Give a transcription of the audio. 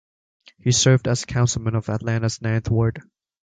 He served as councilman of Atlanta's Ninth Ward.